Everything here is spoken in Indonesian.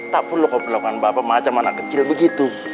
tak perlu kau perlakukan bapak macam anak kecil begitu